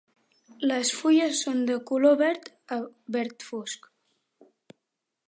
Les fulles són de color verd a verd fosc.